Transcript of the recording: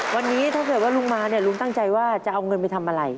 วันนี้ถ้าเกิดว่าลุงมาเนี่ยลุงตั้งใจว่าจะเอาเงินไปทำอะไร